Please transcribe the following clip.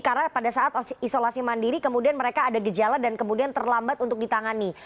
karena pada saat isolasi mandiri kemudian mereka ada gejala dan kemudian terlambat untuk ditangani